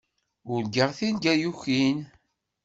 Urgaɣ tirga yukin.